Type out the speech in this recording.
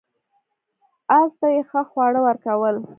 اس ته یې ښه خواړه ورکول.